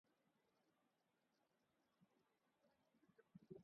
دونوں اننگز میں کوئی بھی کھلاڑی اپنے مجموعی سکور کو تین ہندسوں میں داخل نہیں کر سکا۔